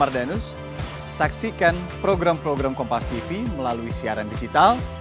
bay tv atau video terkini saksikan program program kompas tv melalui siaran digital